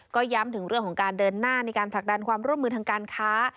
ก็ย้ำถึงเรื่องของการเดินหน้าในการผลักดันความร่วมมือทางการค้า